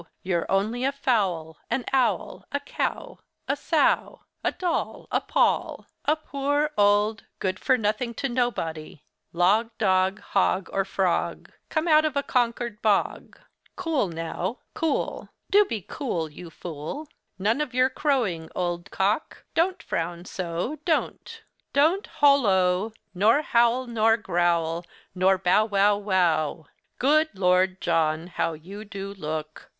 You're only a fowl, an owl; a cow, a sow; a doll, a poll; a poor, old, good for nothing to nobody, log, dog, hog, or frog, come out of a Concord bog. Cool, now—cool! Do be cool, you fool! None of your crowing, old cock! Don't frown so—don't! Don't hollo, nor howl nor growl, nor bow wow wow! Good Lord, John, how you do look!